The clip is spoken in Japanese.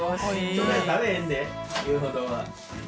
そんなに食べへんで言うほどは。